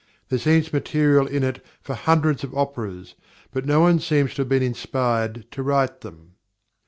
There seems material in it for hundreds of operas, but no one seems to have been inspired to write them.